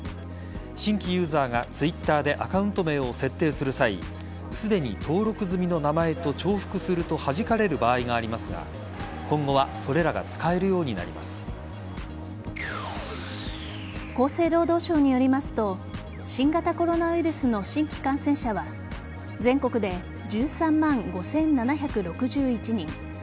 新規ユーザーがＴｗｉｔｔｅｒでアカウント名を設定する際すでに登録済みの名前と重複するとはじかれる場合がありますが今後は厚生労働省によりますと新型コロナウイルスの新規感染者は全国で１３万５７６１人